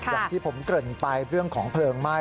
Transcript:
อย่างที่ผมเกริ่นไปเรื่องของเพลิงไหม้